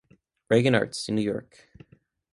Regan Arts, New York.